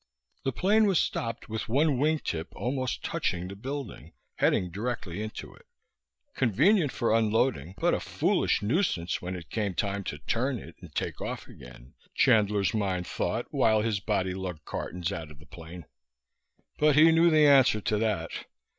The plane was stopped with one wingtip almost touching the building, heading directly into it convenient for unloading, but a foolish nuisance when it came time to turn it and take off again, Chandler's mind thought while his body lugged cartons out of the plane. But he knew the answer to that.